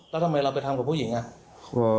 แล้วทำไมเราไปทำกับผู้หญิงอ่ะ